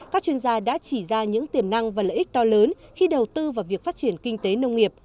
các chuyên gia đã chỉ ra những tiềm năng và lợi ích to lớn khi đầu tư vào việc phát triển kinh tế nông nghiệp